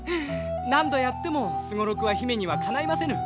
何度やっても双六は姫にはかないませぬ。